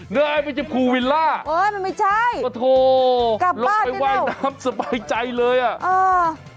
นี่มันไม่ใช่ภูวิลล่าโอ้โฮลงไปว่ายน้ำสบายใจเลยอ่ะกลับบ้านได้แล้ว